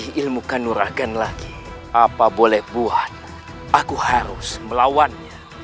temukan nuragan lagi apa boleh buat aku harus melawannya